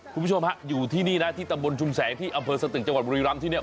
คุณผู้ชมฮะอยู่ที่นี่นะที่ตำบลชุมแสงที่อำเภอสตึกจังหวัดบุรีรำที่เนี่ย